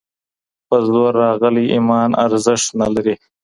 په زور راغلی ايمان ارزښت نه لري.